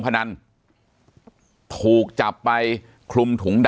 ปากกับภาคภูมิ